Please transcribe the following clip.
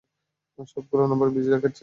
সবগুলো number busy দেখাচ্ছে!